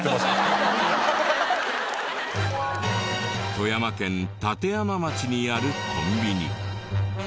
富山県立山町にあるコンビニ。